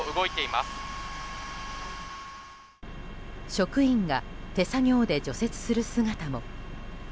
職員が手作業で除雪する姿も。